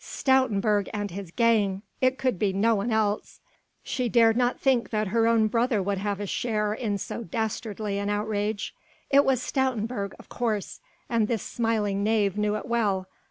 Stoutenburg and his gang! it could be no one else! she dared not think that her own brother would have a share in so dastardly an outrage. It was Stoutenburg of course! and this smiling knave knew it well!